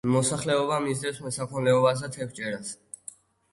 მოსახლეობა მისდევს მესაქონლეობასა და თევზჭერას.